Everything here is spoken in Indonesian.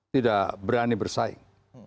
tidak berani bersaing